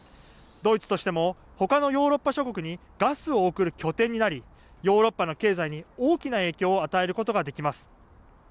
ドイツとしてもほかのヨーロッパ諸国にガスを送る拠点になりヨーロッパの経済に大きな影響を与えることができます。